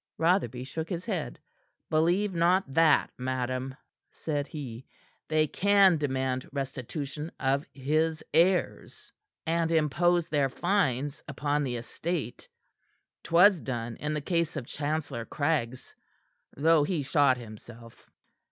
Rotherby shook his head. "Believe not that, madam," said he. "They can demand restitution of his heirs and impose their fines upon the estate. 'Twas done in the case of Chancellor Craggs, though he shot himself."